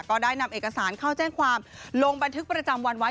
ก็ได้นำเอกสารเข้าแจ้งความลงบันทึกประจำวันไว้